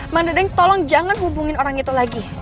mang dadang tolong jangan hubungin orang itu lagi